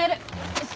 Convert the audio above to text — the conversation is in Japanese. よし！